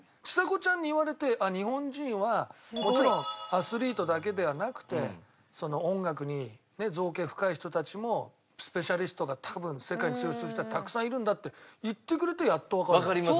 ちさ子ちゃんに言われて日本人はもちろんアスリートだけではなくて音楽に造詣深い人たちもスペシャリストが多分世界に通用する人はたくさんいるんだって言ってくれてやっとわかる。